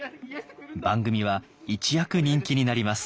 番組は一躍人気になります。